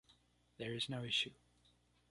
There is no issue.